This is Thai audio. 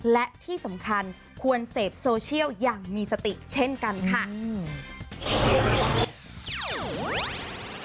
และที่สำคัญควรเสพโซเชียลอย่างมีสติเช่นกันค่ะอืม